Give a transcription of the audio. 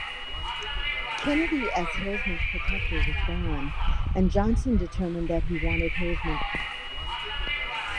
Kennedy as Hilsman's protector was gone, and Johnson determined that he wanted Hilsman out.